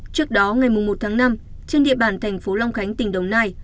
trước đó ngày một tháng năm trên địa bàn thành phố long khánh tỉnh đồng nai